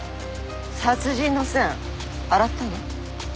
殺人の線洗ったの？